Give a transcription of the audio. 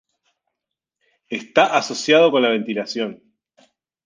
Está asociado con la ventilación.